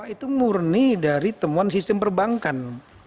itu murni dari temuan sistem perbankan